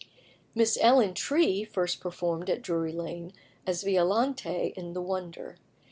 Miss Ellen Tree first performed at Drury Lane as Violante in "The Wonder."